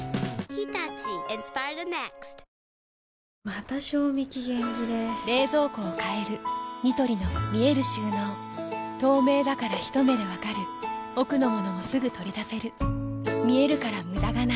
また賞味期限切れ冷蔵庫を変えるニトリの見える収納透明だからひと目で分かる奥の物もすぐ取り出せる見えるから無駄がないよし。